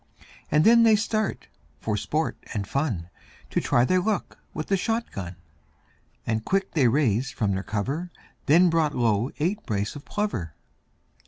And then they start for sport and fun, To try their luck with the shot gun, And quick they raised from their cover, Then brought low eight brace of plover.